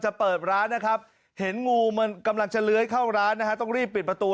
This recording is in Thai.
เปิดร้านนะครับเห็นงูมันกำลังจะเลื้อยเข้าร้านนะฮะต้องรีบปิดประตู